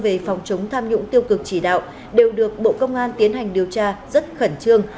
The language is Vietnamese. về phòng chống tham nhũng tiêu cực chỉ đạo đều được bộ công an tiến hành điều tra rất khẩn trương